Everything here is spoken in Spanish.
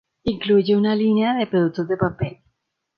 Incluye una línea de productos de papel.